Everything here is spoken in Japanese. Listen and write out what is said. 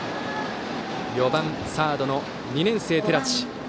４番サード、２年生の寺地。